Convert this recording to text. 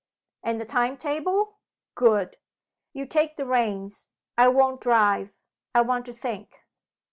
And the time table? Good. You take the reins I won't drive. I want to think.